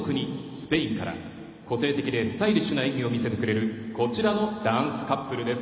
スペインから個性的でスタイリッシュな演技を見せてくれるこちらのダンスカップルです。